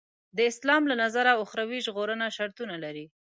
د اسلام له نظره اخروي ژغورنه شرطونه لري.